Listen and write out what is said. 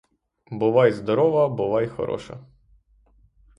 Бувай здорова, бувай, хороша!